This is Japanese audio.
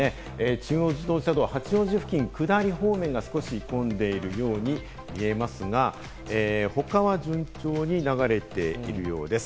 中央自動車道・八王子付近下り方面が少し混んでいるように見えますが、他は順調に流れているようです。